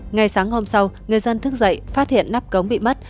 ngày sáng hôm sau người dân thức dậy phát hiện nắp cống bị mất